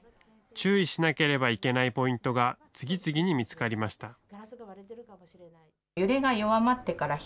注意しなければいけないポイントが、次々に見つかりました。